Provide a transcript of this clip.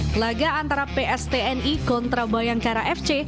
pelaga antara pstni kontra bayangkara fc